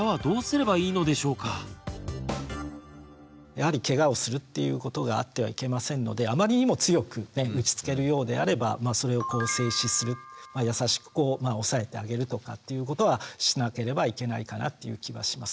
やはりケガをするっていうことがあってはいけませんのであまりにも強く打ちつけるようであればとかっていうことはしなければいけないかなっていう気はします。